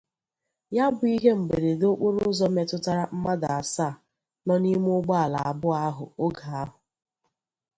ya bụ ihe mberede okporoụzọ metụtara mmadụ asaa nọ n'ime ụgbọala abụọ ahụ oge ahụ